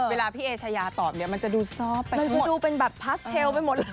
เวลาพี่เอชายาตอบเนี่ยมันจะดูซอฟต์ไปเลยมันจะดูเป็นแบบพาสเทลไปหมดเลย